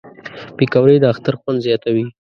پکورې د اختر خوند زیاتوي